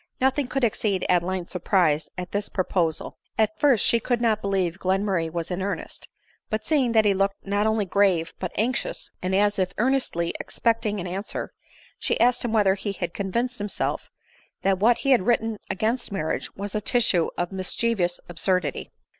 Nothing could exceed Adeline's surprise at this pro posal ; at first she could not believe Glenmurray was in earnest ; but seeing that he looked not only grave but anxious, and as if earnestly expecting an answer, she asked him whether he had convinced himself that what he had written against marriage was a tissue of mischiev ous absurdity.